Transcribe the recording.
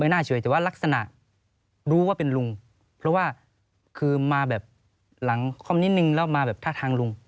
นิดนึงแล้วมาแบบท่าทางลุง